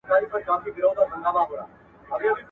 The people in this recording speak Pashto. غړي به د کډوالو د کمپونو د وضعيت څېړنه کوي.